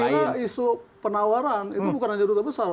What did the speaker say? saya kira isu penawaran itu bukan saja bintang tiga besar